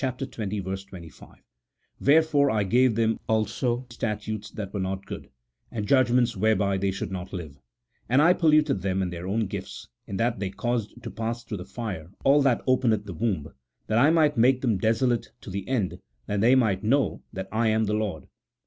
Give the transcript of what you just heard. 25 :" Wherefore I gave them also statutes that were not good, and judg ments whereby they should not live ; and I polluted them in their own gifts, in that they caused to pass through the fire all that openeth the womb ; that I might make them desolate, to the end that they might know that I am the Lord."